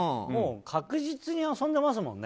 確実に遊んでますもんね